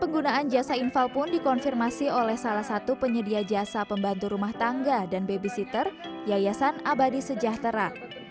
penggunaan jasa infal pun dikonfirmasi oleh salah satu penyedia jasa pembantu rumah tangga dan babysitter yayasan abadi sejahtera